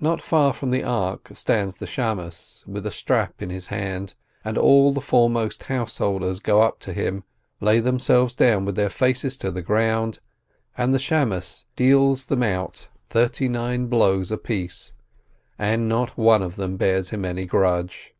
Not far from the ark stands the beadle with a strap in his hand, and all the foremost householders go up to him, lay themselves down with their faces to the ground, and the beadle deals them out thirty nine blows apiece, and not one of them bears him any grudge.